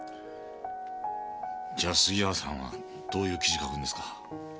じゃあ杉浦さんはどういう記事書くんですか？